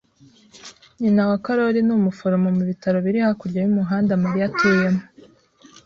Nyina wa Karoli ni umuforomo ku bitaro biri hakurya y'umuhanda Mariya atuyemo.